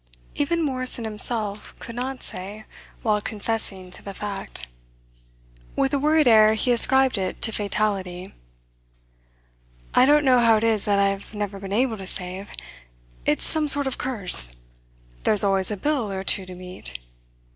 Even Morrison himself could not say, while confessing to the fact. With a worried air he ascribed it to fatality: "I don't know how it is that I've never been able to save. It's some sort of curse. There's always a bill or two to meet."